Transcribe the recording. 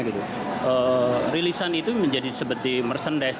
ketika kerelisan fisik itu menjadi seperti merchandise